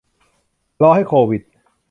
รอให้โควิด